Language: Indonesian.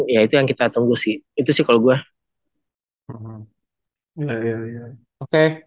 yaitu yang kita tunggu sih itu sih kalau gua oke oke l seek cukup buatsi tang permite kemana dulu